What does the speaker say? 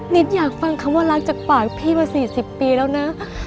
นิดอยากฟังคำว่ารักจากปากพี่มา๔๐ปีแล้วนะ